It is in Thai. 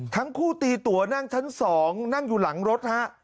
ทั้งคู่ตีตัวนั่งชั้น๒นั่งอยู่หลังรถฮะ